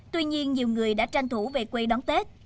tuy nhiên nhiều người đã tranh thủ về quê đón tết